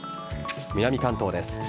南関東です。